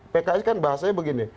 pks kan bahasanya begini